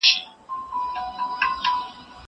زه به سبا بوټونه پاکوم!